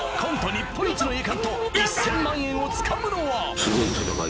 日本一の栄冠と１０００万円をつかむのは！